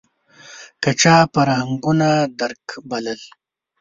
که چا فرهنګونو درک بلل